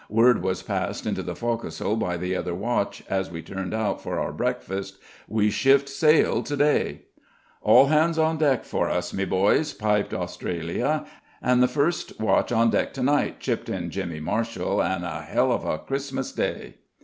Word was passed into the fo'c'sle by the other watch, as we turned out for our breakfast, "We shift sail today." "All hands on deck for us, me boys!" piped Australia. "An' the first watch on deck tonight," chipped in Jimmy Marshall, "an' a hell of a Christmas Day!"